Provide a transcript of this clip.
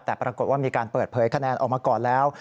แต่ปรากฏว่ามีการเปิดเผยคะแนนออกมาก่อนแล้ว